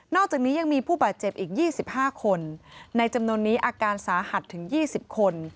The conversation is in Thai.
อกจากนี้ยังมีผู้บาดเจ็บอีก๒๕คนในจำนวนนี้อาการสาหัสถึง๒๐คน